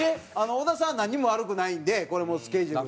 小田さんはなんにも悪くないんでこれもうスケジュール。